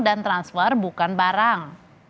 dan transfer bukan barang